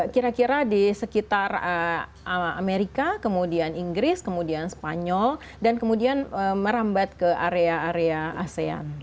kira kira di sekitar amerika kemudian inggris kemudian spanyol dan kemudian merambat ke area area asean